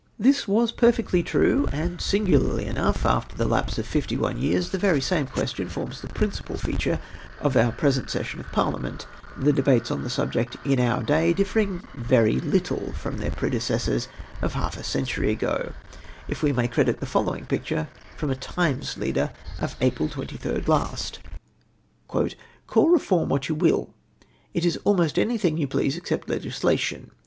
This was perfectly true, and singularly enough, after the lapse of fifty one years, the very same question forms the principal feature of the present session of Parliament, the debates on the subject in our day differing very httle from their predecessors of half a century ago, if we may credit the following picture from a Times leader of April 23rd last. " Call Eeform what you will, it is almost anything you please, except legislation.